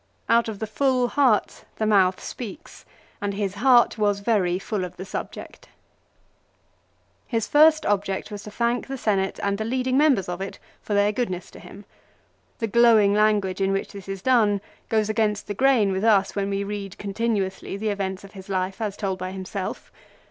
Out of the full heart the mouth speaks, and his heart was very full of the subject. His first object was to thank the Senate and the lead ing members of it for their goodness to him. The glowing language in which this is done goes against the grain with us when we read continuously the events of his life as told by himself.